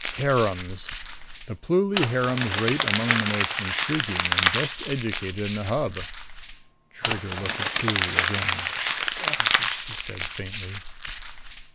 "Harems. The Pluly harems rate among the most intriguing and best educated in the Hub." Trigger looked at Pluly again. "Ugh!" she said faintly.